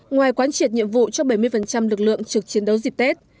ngoài quán triệt nhiệm vụ cho bảy mươi lực lượng trực chiến đấu dịp tết